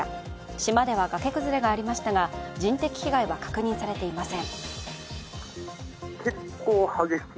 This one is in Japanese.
島では崖崩れがありましたが、人的被害は確認されていません。